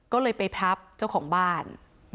ก็เลยไปทับเจ้าของบ้าน